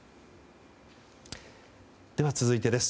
では続いてです。